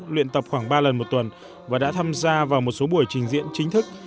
luyện tập khoảng ba lần một tuần và đã tham gia vào một số buổi trình diễn chính thức